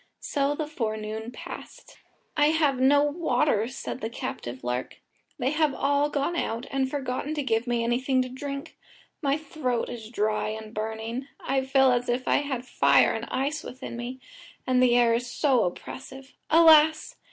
So the forenoon passed. "I have no water," said the captive lark, "they have all gone out, and forgotten to give me anything to drink. My throat is dry and burning. I feel as if I had fire and ice within me, and the air is so oppressive. Alas!